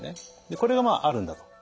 でこれがまああるんだと。